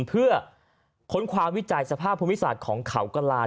เพื่อค้นความวิจัยสภาพภูมิศาสตร์ของเขากระลา